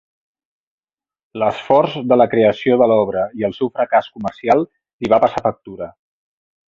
L'esforç de la creació de l'obra i el seu fracàs comercial li va passar factura.